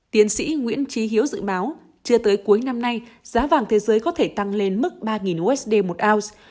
tiến sĩ nguyễn trí hiếu dự báo chưa tới cuối năm nay giá vàng thế giới có thể tăng lên mức ba usd một ounce